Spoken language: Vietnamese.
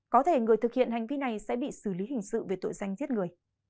có thể người thực hiện hành vi này sẽ bị xử lý hình sự về tội danh giết người